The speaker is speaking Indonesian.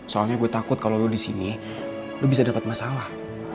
soalnya gue takut kalau lo disini lo bisa dapet masalah